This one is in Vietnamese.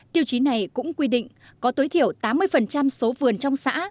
tiêu chí này cũng quy định có tối thiểu tám mươi số vườn trong xã